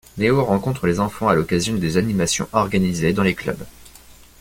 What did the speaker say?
Léo rencontre les enfants à l'occasion des animations organisées dans les Clubs.